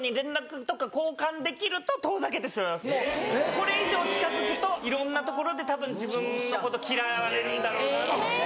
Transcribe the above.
これ以上近づくといろんなところでたぶん自分のこと嫌われるんだろうな。